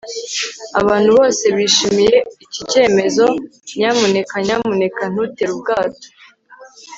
abantu bose bishimiye iki cyemezo, nyamuneka nyamuneka ntutere ubwato. (nthkmf